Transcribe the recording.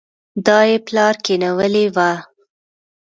دا يې پلار کېنولې وه.